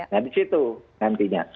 nah di situ nantinya